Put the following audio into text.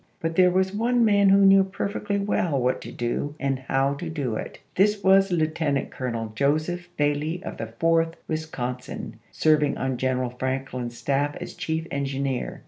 But there was one man who knew perfectly well what to do and how to do it. This was Lieu teuant Colonel Joseph Bailey of the Fourth Wis consin, serving on General Franklin's staff as chief engineer.